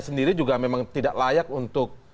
sendiri juga memang tidak layak untuk